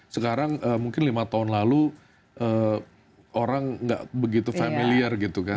sekarang mungkin lima tahun lalu orang nggak begitu familiar gitu kan